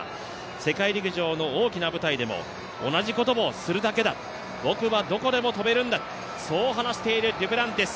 世界陸上の大きな舞台でも同じことをするだけだ、僕はどこでも跳べるんだと、そう話しているデュプランティス。